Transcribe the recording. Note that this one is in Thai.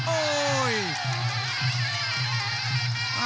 โอ้โห